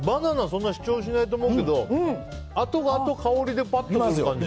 そんなに主張しないと思うけどあとあと香りでパッとくる感じ。